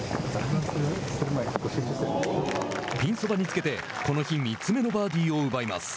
ピンそばにつけてこの日、３つ目のバーディーを奪います。